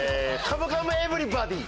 『カムカムエヴリバディ』。